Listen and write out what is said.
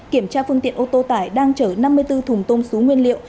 kiểm tra phương tiện ô tô tải đang chở năm mươi bốn thùng tôm xú nguyên liệu